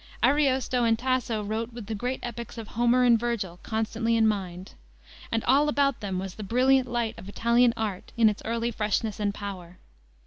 Ariosto and Tasso wrote with the great epics of Homer and Vergil constantly in mind, and all about them was the brilliant light of Italian art, in its early freshness and power.